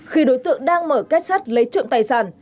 khi đối tượng đang mở kết sắt lấy trộm tài sản